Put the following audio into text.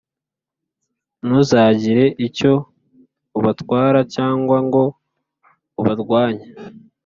ntuzagire icyo ubatwara cyangwa ngo ubarwanye,